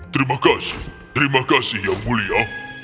terima kasih terima kasih yang mulia